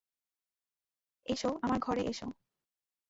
এসো, আমার ঘরে এসো।